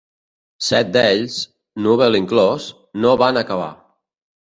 Set d'ells, Knubel inclòs, no van acabar.